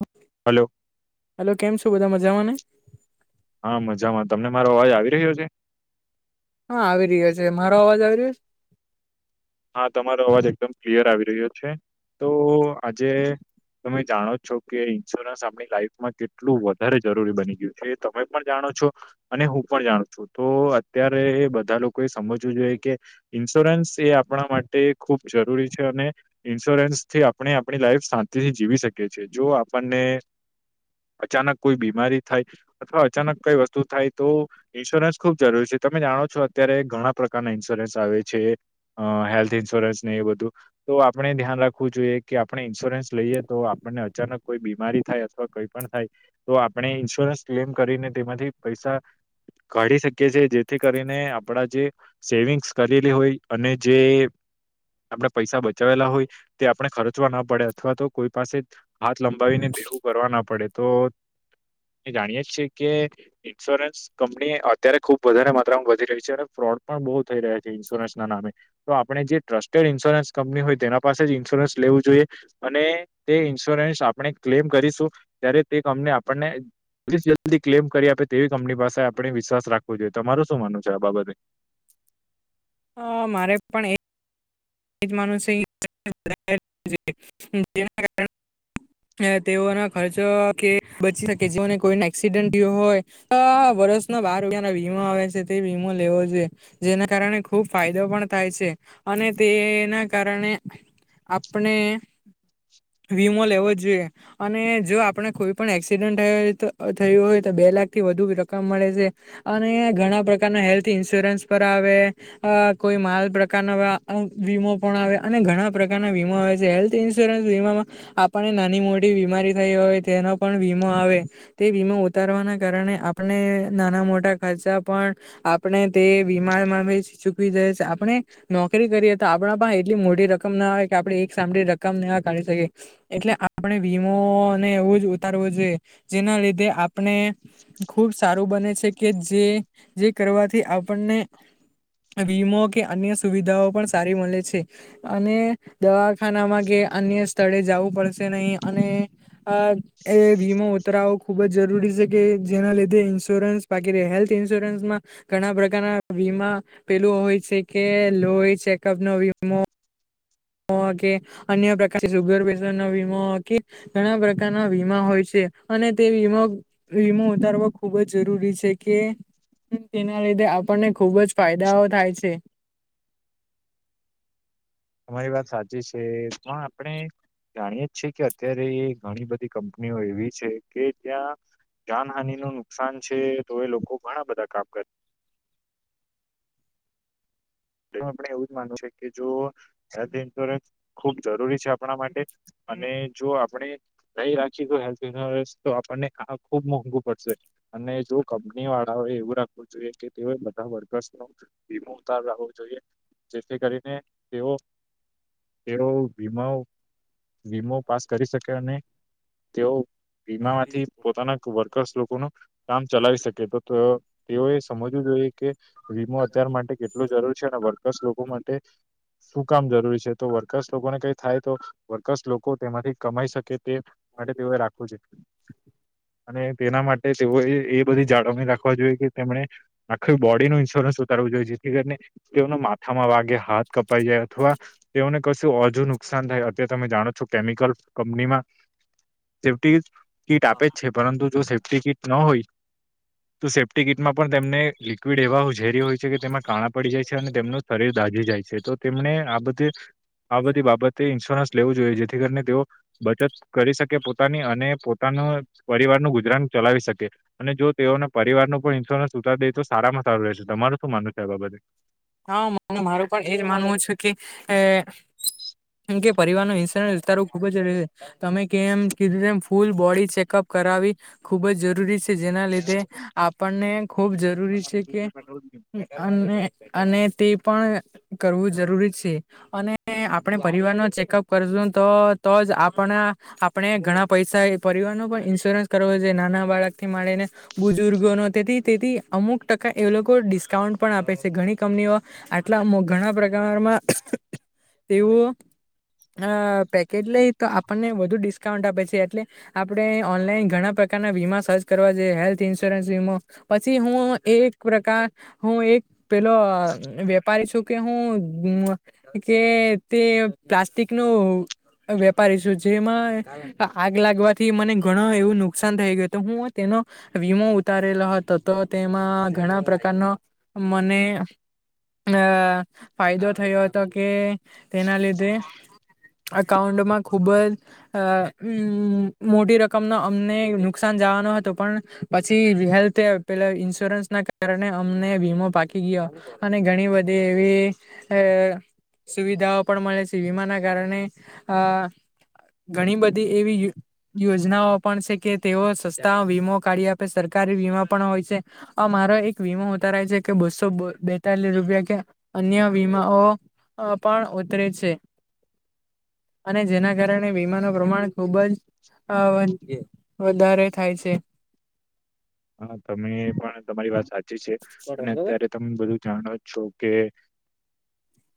[unintelligible] Hello hello કેમ છો બધા મજામાંને. હા મજામાં તમને મારો અવાજ આવી રહ્યો છે. હા આવી રહ્યો છે મારો અવાજ આવી રહ્યો છે. હા તમારો અવાજ એકદમ ક્લિયર આવી રહ્યો છે તો આજે તમે જાણો છો કે ઇન્સ્યોરન્સ આપણી લાઈફમાં કેટલું વધારે જરૂરી બની ગયું છે એ તમે પણ જાણો હું પણ જાણું છું તો અત્યારે બધા લોકો એ સમજવું જોઈએ કે ઇન્સ્યોરન્સ એ આપ [inaudible] આપણા માટે ખુબ જરૂરી છે અને ઇન્સ્યોરન્સ થી આપણે આપણી લાઈફ શાંતિથી જીવી શકીએ છીએ. જો આપણને અચાનક કોઈ બીમારી થાય અથવા અચાનક કઈ વસ્તુ થાય તો ઇન્સ્યોરન્સ ખુબ જરૂરી છે તમે જાણો છો અત્યારે ઘણા પ્રકારના ઇન્સ્યોરન્સ આવે છે. અ હેલ્થ ઇન્સ્યોરન્સ ને એ બધું તો આપણે ધ્યાન રાખવું જોઈએ કે આપણે ઈન્સ્યોરન્સ લઈએ તો આપને અચાનક કોઈ બીમારી થાય અથવા કઈ પણ થાય તો આપણે ઈન્સ્યોરન્સ ક્લેમ કરીને તેમાંથી પૈસા કાઢી શકીએ છે જેથી કરીને આપડા જે સેવિંગ્સ કરેલી હોય અને જે આપણે પૈસા બચાવેલા હોય તે આપણે ખર્ચવા ના પડે અથવા તો કોઈ પાસે હાથ લંબાવીને દેવુ કરવા ના પડે તો એ જાણીયે જ છીકે ઇન્સ્યોરન્સ કંપની અત્યારે ખુબ વધારે માત્રામાં વધી રહી છે અને ફોર્ડ પણ બહુ થઈ રહ્યા છે ઇન્સ્યોરન્સ ના નામે તો આપણે જે ટ્રસ્ટેડ ઇન્સ્યોરન્સ કંપની હોય તેના પાસે જ ઇન્સ્યોરન્સ લેવું જોઈએ અને તે ઇન્સ્યોરન્સ આપણે ક્લેમ કરીશું ત્યારે તે કંપની આપણને [unintelligible] જલ્દી ક્લેમ કરી આપે તેવી કંપની પાસે આપણે વિશ્વાસ રાખવો જોઈએ તમારું શું માનું છે આ બાબતે. અ મારે પણ એક [inaudible] તેઓના ખર્ચો કે બચી શકે જેઓને કોઈને એક્સિડન્ટ હોય [inaudible] વર્ષના બાર રૂપિયા ના વીમો આવે છે તે વીમો લેવો જોઈએ જેના કારણે ખુબ ફાયદો પણ થાય છે. અને તે એ ના કારણે આપણે વીમો લેવો જોઈએ અને જો આપણે કોઈ પણ એક્સિડન્ટ થયું હોય તો બે લાખ થી વધુ રકમ મળે છે અને ઘણા પ્રકારના હેલ્થ ઇન્સ્યોરન્સ પર આવે અ કોઈ માલ પ્રકારના નવા વીમો પણ આવે અને ઘણા પ્રકારના વીમો આવે છે હેલ્થ ઇન્સ્યોરન્સ વીમામાં આપણને નાની મોટી બીમારી થઈ હોય તેનો પણ વીમો આવે તે વીમો ઉતારવાના કારણે આપણે નાના મોટા ખર્ચા પણ આપણે તે બીમારમાં ચૂકવી જાય છે આપણે કેવી કરી એ તો આપણા પણ એટલી મોટી રકમ ના હોય કે આપણે એક સાથે રકમ ના કાઢી શકીએ એટલે આપણ વીમોને એવું જ ઉતારવું જોઈએ જેના લીધે આપણે ખુબ સારું બને એશે કે જે જે કરવાથી આપણને વીમો કે અન્ય સુવિ ધાઓ પણ સારી મલે છે. અને દવાખાનામાં કે અન્ય સ્થળે જવું પડશે નહીં ને અને અહ એ વીમો ઉતરાવો ખૂબ જ જરૂરી છે કે જેના લીધે ઈન્સ્યોર રન્સ બાકી રહે. હેલ્થ ઇન્સ્યોરન્સમાં ઘણા પ્રકારના વીમા પેલુ હોય છે કે લોહી ચેકઅપનો વીમો હો કે અન્ય પ્રકાર સુગર પેશન્ટ નો વીમા હો કે ઘણા પ્રકારના વીમા હોય છે. અને તે વીમો વીમો ઉતારવો ખુબ જ જરૂરી છે કે કે તેના લીધે આપણને ખુબ જ ફાયદાઓ થાય છે. [inaudible] તમારી વાત સાચી છે પણ આપણે જાણીએ જ છે કે અત્યારે એ ઘણી બધી કંપનીઓ એવી છે કે ત્યાં જાનહાની નું નુકસાન છે તો એ લોકો ઘણા બધા કામ કર [inaudible] અહ આપણે એવું જ માનું છે કે જો હેલ્થ ઇન્સ્યોરન્સ ખૂબ જરૂરી છે આપણા માટે અને જો આપણે નઈ રાખી હેલ્થ ઇન્સ્યોરન્સ તો આપણને કા ખુબ મોંઘુ પડશે. અને જો કંપની વાળાઓ એવું રાખવું જોઈએ કે તેઓએ બધા વર્કર્સ નો વીમો ઉતાર રાઓ જોઈએ જેથી કરીને તેઓ તેઓ વીમાઓ વીમો પાસ કરી શકે અને તેઓ વીમા માંથી પોતાના વર્કર્સ લોકોનું કામ ચલાવી શકે તો તતો તેઓ એ સમજવું જોઈએ કે વીમો અત્યાર માટે કેટલું જરૂરી છે અને વર્કર્સ લોકો માટે શું કામ જરૂરી છે તો વર્કર્સ લોકોને કઈ થાય તો વર્કસ લોકો તેમાંથી કમાઈ શકે તે માટે તેઓએ રાખવું છે. અને તેના મા ટે તેઓએ એ બધી જાળવણી રાખવા જોઈએ કે તેમણે આખી બોડીનું ઇન્સ્યોરન્સ ઉતારવું જોઈએ જેથી કરીને તેઓના માથામાં વાગે હાથ કપાઈ જાય અથવા તેઓને કશું ઓજું નુકસાન થાય અત્યારે તમે જાણો છો કેમિકલ કપનીમાં સેફ્ટી કીટ આપે જ છે પરંતુ જો સે ફ્ટી કિટ ન હોય તો સેફ્ટી કિટમાં પણ તેમને લિક્વિડ એવા ઝેરી હોય છે કે તેમાં કાણા પડી જાય છે અને તેમનું શરીર દાઝી જાય છે. તો તેમને આ બધે આ બધી બાબતે ઇન્સ્યોરન્સ લેવું જોઈએ જે થી કરીને તેઓ બચત કરી શકે પોતાની અને પોતાના પરિવારનું ગુજરાન ચલાવી શકે. અને જો તેઓને પરિવારનું પણ ઇન્સ્યોરન્સ ઉતારી દે તો સારામાં સારું રહેશે. તમારું શું માનવુ છે આ બાબતે? હા મારું પણ એજ માનવું છું કે એ [inaudible] જો પરિવાર નો ઇન્સ્યોરન્સ ઉતરાવું ખુબ જ છે તમે કેમ કીધું એમ ફૂલ બોડી ચેકઅપ કરાવી ખુબ જ જરૂરી છે જેના લીધે આપણને ખૂબ જરૂરી છે કે અને અને તે પણ કરવું જરૂરી છે અને આપણે પરિવારનો ચેકઅપ કરજુન તો તો તો જ આપણા આપણે ઘણા પૈસા એ પરિવાર નો પણ ઇન્સ્યોરન્સ કરવો જોઈએ નાના બાળકથી માળી ને બુજુર્ગો નો તેથી તેથી અમુક ટકા એ લોકો ડિસ્કાઉન્ટ પણ આપે છે. ઘણી કંપનીઓ આટલા ઘણા પ્રકારમાં તેવું અહીં પેકેટ લઈ તો આપણને વધુ ડિસ્કાઉન્ટ આપે છે એટલે આપણે ઓનલાઈન ઘણા પ્ર કારના વીમા સર્ચ કરવા જોઈએ હેલ્થ ઇન્સ્યોરન્સ વીમો પછી હું એક પ્રકાર હું એક પેલો અહ વેપારી છું કે હું બીમો કે તે પ્લાસ્ટિક નું વેપારી છું જેમાં આગ લાગવાથી મને ઘણું એવું નુકસાન થઈ ગયું તો હું તેન નો વીમો ઉતારેલો હતો તો તેમાં ઘણા પ્રકારનો મને અહ ફાયદો થયો હતો કે તેના લીધે અકાઉન્ટમાં ખુબ જ અહ અમ્મ મોટી રકમ નો અમને નુકસાન જા નો હતો પછી હેલ્થ પેલા ઇન્સ્યોરન્સ ના કાર અમને વીમો પાકી ગયો અને ઘણી બધી એવી અ સુવિધાઓ પણ મળે છે વીમાના કારણે આ ઘણી બધી એવી યોજનાઓ પણ છે કે તેઓ સસ્તા વીમો કાઢી આપે સરકારી વીમા પણ હોય છે અમા મારો એક વીમો ઉતારય છે કે બસો બો બેતાલીસ રૂપિયા કે અન્ય વીમાઓ અ પણ ઉતરે છે અને જેના કારણે વીમાનું પ્રમાણ ખુબ જ અ વધારે થાય છે હા તમે પણ તમારી વાત સાચી છે અને અત્યારે તમે બધું જાણો જ છો કે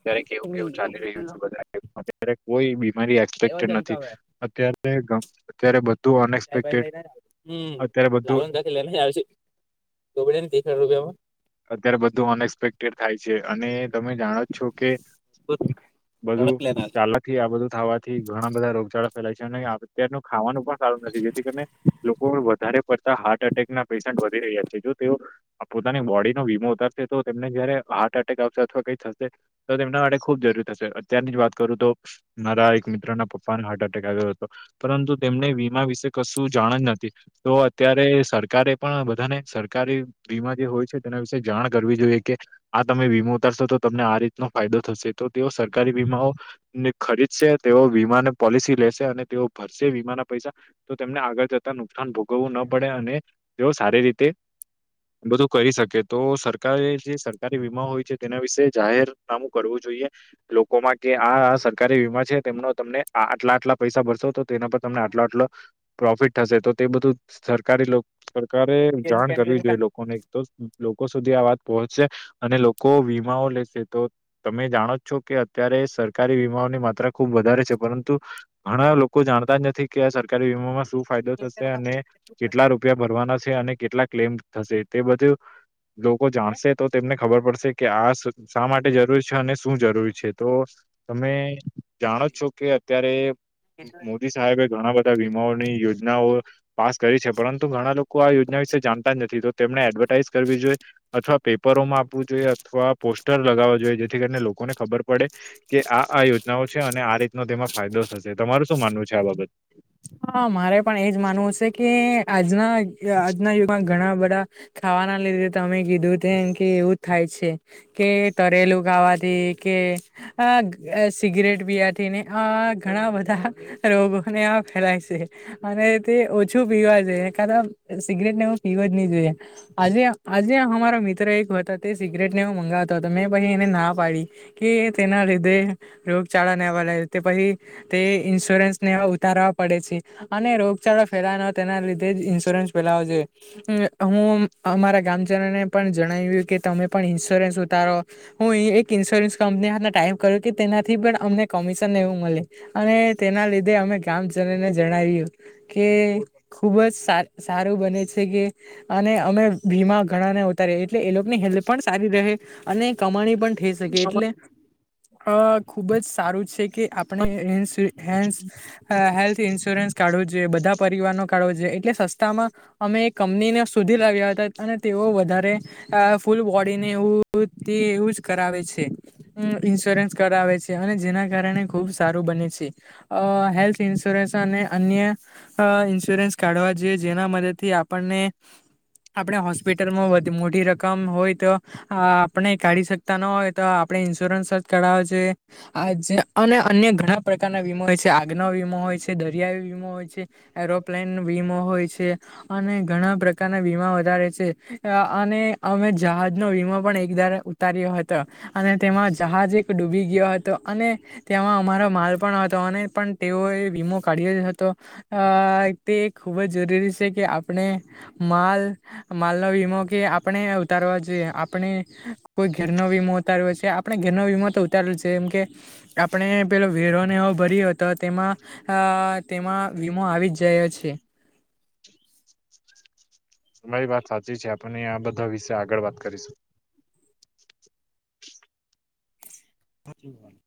અત્યારે કેવું કેવું ચાલી રહ્યું છે બધાએ અત્યારે કોઈ બીમારી એક્સપેક્ટડ નથી અત્યારે અત્યારે ગમે ત્યારે બધું અનએક્સપેક્ટેડ અત્યારે બધું [unintelligible] [unintelligible] અત્યારે બધું અનએક્સપેક્ટેડ થાય છે અને તમે જાણો જ છો કે બધું ચાલાકથી આ બધું થવાથી ઘણા બધા રોગચાળા ફેલાય છે અને અત્યારનું ખાવાનું પણ સારું નથી જેથી કરીને લોકો વધારે કરતા હાર્ટ એટેકના પેશન્ટ વધી રહ્યા છે જો તેઓ પોતાની બોડી નો વીમો ઉતારશે તો તેમનેજયારે હાર્ટ એટેક આવશે અથવા કઈ થશે તો તેમના માટે ખુબ જરૂરી થશે અત્યાર ની વાત કરું તો મારા એક મિત્રના પપ્પાને હાર્ટ એટેક આવ્યો હતો પરંતુ તેમને વીમા વિશે કશું શું જાણ જ નથી તો અત્યારે સરકારે પણ બધાને સરકારી વીમા જે હોય છે તેના વિશે જાણ કરવી જોઈએ કે આ તમે વીમો ઉતારશો તો તમને આ રીતનો ફાયદો થશે તો તેઓ સરકારી નો ને ખરીદશે તેઓ વીમાને પોલિસી લેશે અને તેઓ ભરશે વીમાના પૈસા તો તેમને આગળ જતા નુકસાન ભોગવવું ન પડે અને તેઓ સારી રીતે બધું કરી શકે કે તો સરકારે જે સરકારી વીમા હોય છે તેના વિશે જાહેરનામું કરવું જોઈએ લોકોમાં કે આ આ સરકારી વીમા છે તેમનો તમને આટલા આટલા પૈસા ભરસો તો તેના પર તમને આટલો આટલો પ્રોફિટ થશે તો તે બધું સરકારી લો સરકારે જાણ કરવી જોઈએ લોકોને તો લોકો સુધી આ વાત પહોંચશે અને લોકો વીમાઓ લેશે તો તમે જાણો છો કે અત્યારે સરકારી વીમાઓની માત્રા ખુબ વધારે છે પરંતુ ઘણા લોકો જાણતા જ નથી કે આ સરકારી વીમામાં શું ફાયદો થશે અને કેટલા રૂપિયા ભરવાના છે અને કેટલા ક્લેમ થશે તે બધું લોકો જાણશે તો તેમને ખબર પડશે કે આ શા માટે જરૂરી છે અને શું જરૂરી છે તો તમે જાણો છો કે અત્યારે મોદી સાહેબે ઘણા બધા વીમાઓની યોજનાઓ પાસ કરી છે પરંતુ ઘણા લોકો આ યોજના વિશે જાણતા જ નથી તો તેમણે એડવર્ટાઈઇઝ કરવી જોઈએ અથવા પેપરોમાં આપવું જોઈએ અથવા પોસ્ટર લગાવવા જોઈએ જેથી કરીને લોકોને ખબર પડે કે આ આ યોજનાઓ છે અને આ રીતનો તેમાં ફાયદો થશે તમારું શું માનવું છે આ બાબત હા મારે પણ એજ માનવું છે કે આજના આજના યુગમાં ઘણા બધા ખાવાના લીધે તમે કીધુંમ કે એવું થાય છે કે તરેલું ખાવાથી કે આ સિગરેટ બીથીને આ ઘણા બધા રોગોને આ લશે અને તે ઓછું પીવા છે ખ સિગરેટને હું પીવા જ નહી જોઈએ આજે આજે અમારા મિત્ર એક હતા તે સિગરેટ ને એ મંગાવતો હતો મેં પછી એને ના પાડી કે તેના લીધે રોગચાળા નેવા લાગ તે પછી તે ઇન્સ્યોરન્સ ને ઉતારવા પડે છે અને રોગચાળો ફેલાનો હોય તેના લીધે જ ઇન્સ્યોરન્સ પેલાવો જો હું અમારા ગામજનોને પણ જણાવ્યું કે તમે પણ ઇન્સ્યોરન્સ ઉતારો હું એક ઇન્સ્યોરન્સ કં ટાઈ કર્યું કે તેનાથી પણ અમને કમિશન એવું મળે અને તેના લીધે અમે ગામ જણાવ્યું કે ખુબ જ સારું બને છે કે વીમા ઘણા ને અત એટલે એ લોકોની હેલ્થ પણ સારી રહે અને કમાણી પણ થઈ શકે એટલે અ ખુબ જ સારું છે કે આપણેન્ હે હેલ્થ ઇન્સ્યોરસ કાવ જોએ બધા પરિવારનો કાઢવો જોઈએ એટલે સસ્તામાં અમે કંપનીને સુધી લાવ્યા હતા અને તેઓ વધારે અ ફૂલ બોડીને એ તે યુઝ કરાવે છે ઇન્સ્યોરન્સ કરાવે છે અને જેના કારણે ખુબ સારું બને છે હેલ્થ ઇન્ અને અન્ય ઇન્સ્યોરન્સ કાઢવા જોઈએ જેના મદદથી આપણને આપણે હોસ્પિટલમાં મોટી રકમ હોય તો આપણે કાઢી શકતા ન હોય તો આપ ઇન્સ્યોરન્સ કરાવ છે આ અને અન્ય ઘણા પ્રકારના વીમાો હોય છે આગનો વી. છે દરિયાઈ વીમો હોય છે એરોપ્લેન વીમો હોય છે અને ઘણા પ્રકારના વીમા વધારે છે અને અમે જહાજ ન વીમા પણ એકદમ ઉતાર્યો હતો અને તેમાં જહાજ એક ડૂબી ગયો હતો અને તેમાં અમારો માલ પણ હતો નહી પણ તેઓ વીમો કાઢએ હતો તે ખૂબ જ જરૂરી છે કે આપણે માલ માલ નો વીમો કે આપણે ઉતારવા જોએ આપણે કોઈ ઘેરનોો વીમો ઉતાર્યો છેએ આપણે ઘનો વિમતો ઉતારેલ છે એમ કે આપણે પેલો વેરોને એવો ભર્યો હતો તેમાં અ તેમાં વીમો આવી જ જાય છે તમારી વાત સાચી છે આપને આ બધા વિશે આગળ વાત કરીશું હ